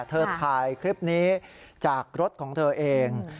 เธอถ่ายคลิปนี้จากรถของเธอเอง